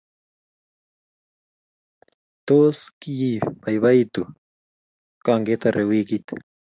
Tos, kibaibaitu kongetare weekit?